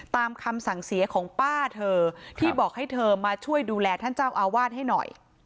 ตามคำสั่งเสียของป้าเธอที่บอกให้เธอมาช่วยดูแลท่านเจ้าอาวาสให้หน่อย